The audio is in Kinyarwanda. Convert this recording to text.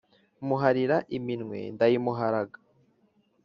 muharira iminwe ndayimuharaga,